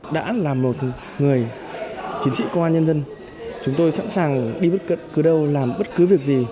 đã là một người chiến sĩ công an nhân dân chúng tôi sẵn sàng đi bất cứ đâu làm bất cứ việc gì